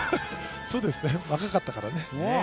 そうですね、若かったからね。